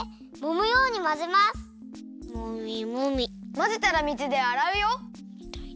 まぜたら水であらうよ。